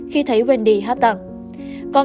khi thấy wendy hát tặng con